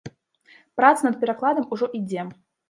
Праца над перакладам ужо ідзе.